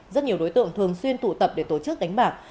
rất nhiều đối tượng thường xuyên tụ tập để tổ chức đánh bạc